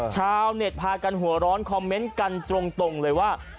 ชาวเน็ตพากันหัวร้อนคอมเมนต์กันตรงเลยว่า